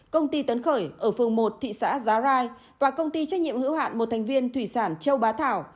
công ty tấn khởi ở phường một thị xã giá rai và công ty trách nhiệm hữu hạn một thành viên thủy sản châu bá thảo